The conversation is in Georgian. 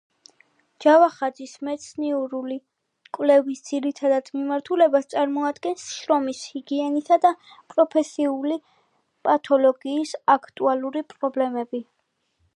ჯავახაძის მეცნიერული კვლევის ძირითად მიმართულებას წარმოადგენს შრომის ჰიგიენისა და პროფესიული პათოლოგიის აქტუალური პრობლემები.